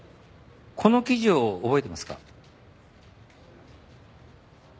この記事を覚えてますか？